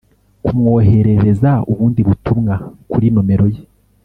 Kumwoherereza ubundi butumwa kuri nomero ye